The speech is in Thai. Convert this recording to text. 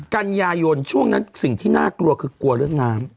กันยายนช่วงนั้นสิ่งที่น่ากลัวคือกลัวเรื่องน้ำ